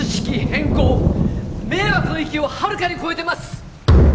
迷惑の域をはるかに越えています！